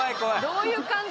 どういう感情？